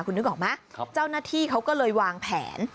คุณนึกออกไหมเจ้าหน้าที่เขาก็เลยวางแผน